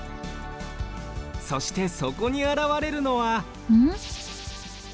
そしてそこにあらわれるのはん？